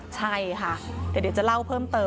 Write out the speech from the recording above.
ใช่ค่ะแต่เดี๋ยวจะเล่าเพิ่มเติม